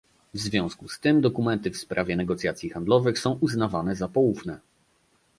W związku z tym dokumenty w sprawie negocjacji handlowych są uznawane za poufne